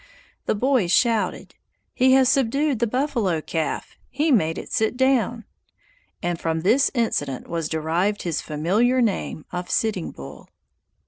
The boys shouted: "He has subdued the buffalo calf! He made it sit down!" And from this incident was derived his familiar name of Sitting Bull.